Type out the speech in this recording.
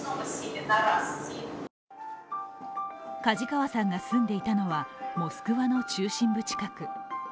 梶川さんが住んでいたのはモスクワの中心部近く。